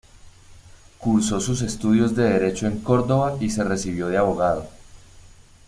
Cursó sus estudios de derecho en Córdoba y se recibió de abogado.